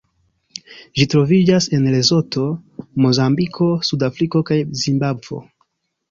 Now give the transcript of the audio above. Ĝi troviĝas en Lesoto, Mozambiko, Sudafriko kaj Zimbabvo.